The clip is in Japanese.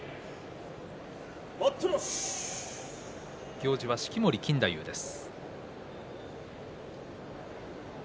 行司は式守錦太夫です。